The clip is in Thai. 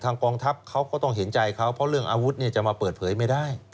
กองทัพเขาก็ต้องเห็นใจเขาเพราะเรื่องอาวุธจะมาเปิดเผยไม่ได้